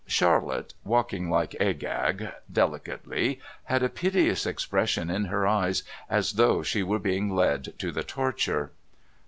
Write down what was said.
Charlotte, walking like Agag, "delicately," had a piteous expression in her eyes as though she were being led to the torture.